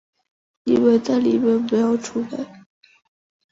你们在里面不要出来